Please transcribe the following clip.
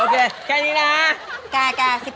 ได้โอเควะโอเคแค่นี้นะ